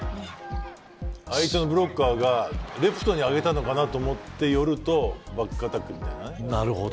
相手のブロッカーがレフトに上げたのかと思っているとバックアタックみたいなね。